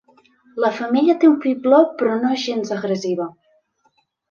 La femella té un fibló però no és gens agressiva.